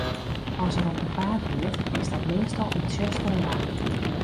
As er op 'en paad giet, is dat meastal yn tsjustere nachten.